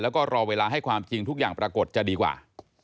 แล้วก็รอเวลาให้ความจริงทุกอย่างปรากฏจะดีกว่า